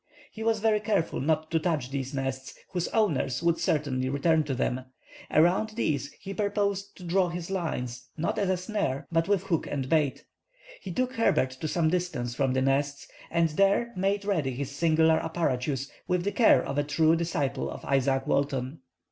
He was very careful not to touch these nests, whose owners would certainly return to them. Around these he purposed to draw his lines, not as a snare, but with hook and bait. He took Herbert to some distance from the nests, and there made ready his singular apparatus with the care of a true disciple of Isaac Walton.